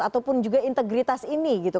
ataupun juga integritas ini gitu